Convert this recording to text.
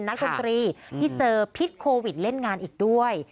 ดนตรีที่เจอพิษโควิดเล่นงานอีกด้วย